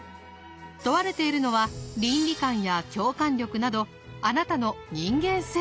問われているのは倫理観や共感力などあなたの人間性。